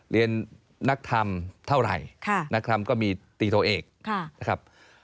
เรียนนักธรรมเท่าไหร่นักธรรมก็มีตีโทเอกนะครับ